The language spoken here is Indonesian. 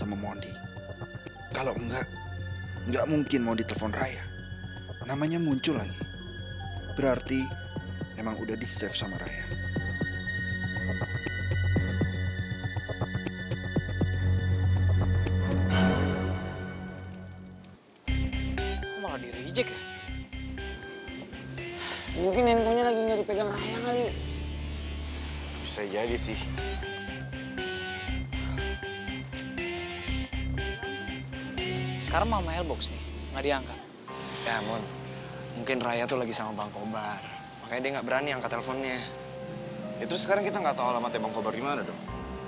nanti kalau misalnya sampai berjatuhan korban gimana dong